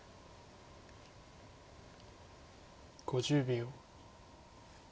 ５０秒。